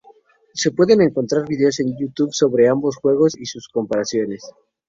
Se pueden encontrar vídeos en Youtube sobre ambos juegos y sus comparaciones.